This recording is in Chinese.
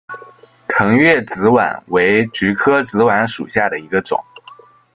腾越紫菀为菊科紫菀属下的一个种。